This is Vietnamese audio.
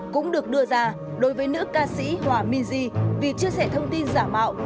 cũng được đưa ra đối với nữ ca sĩ hòa miji vì chia sẻ thông tin giả mạo